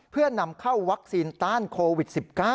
เพื่อนำเข้าวัคซีนต้านโควิด๑๙